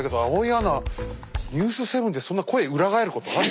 アナ「ニュース７」でそんな声裏返ることある？